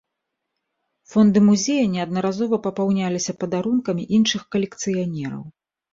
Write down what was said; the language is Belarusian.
Фонды музея неаднаразова папаўняліся падарункамі іншых калекцыянераў.